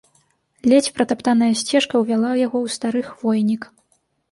Ледзь пратаптаная сцежка ўвяла яго ў стары хвойнік.